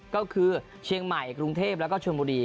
ก็คือเชียงใหม่กรุงเทพแล้วก็ชนบุรี